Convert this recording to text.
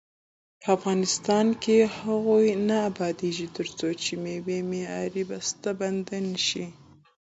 افغانستان تر هغو نه ابادیږي، ترڅو وچې میوې معیاري بسته بندي نشي.